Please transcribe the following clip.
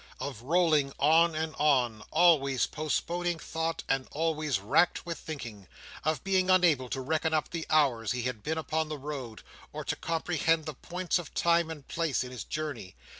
Of rolling on and on, always postponing thought, and always racked with thinking; of being unable to reckon up the hours he had been upon the road, or to comprehend the points of time and place in his journey.